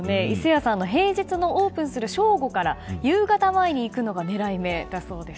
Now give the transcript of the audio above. さんの平日もオープンする正午から夕方くらいに行くのが狙い目だそうです。